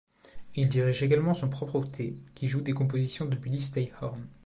Il dirige également son propre octet qui joue des compositions de Billy Strayhorn.